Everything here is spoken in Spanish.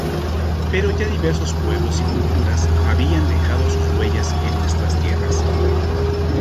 Pero ya diversos pueblos y culturas habían dejado sus huellas en nuestras tierras.